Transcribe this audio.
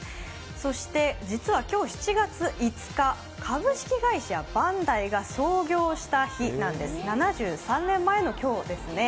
そして、実は今日７月５日、株式会社バンダイが創業した日なんです、７３年前の今日ですね。